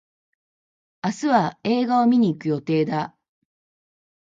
明日は映画を観に行く予定だ。